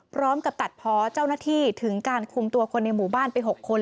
พร้อมกับตัดพอเจ้าหน้าที่ถึงการคุมตัวคนในหมู่บ้านไป๖คน